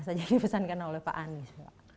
saja dipesankan oleh pak anies